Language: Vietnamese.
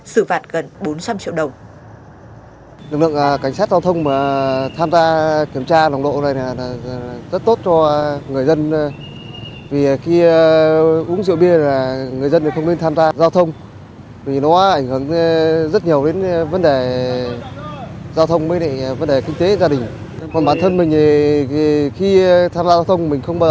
xử phạt gần bốn trăm linh triệu đồng